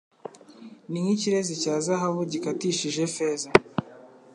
ni nk’ikirezi cya zahabu gitakishije feza